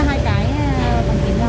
yến huyết năm triệu